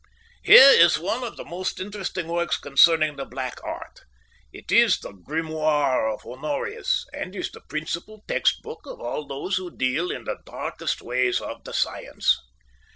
"Here is one of the most interesting works concerning the black art. It is the Grimoire of Honorius, and is the principal text book of all those who deal in the darkest ways of the science."